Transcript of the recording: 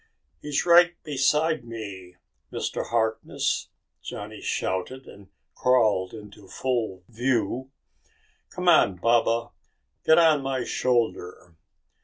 "He's right beside me, Mr. Harkness!" Johnny shouted, and crawled into full view. "C'mon, Baba, get on my shoulder.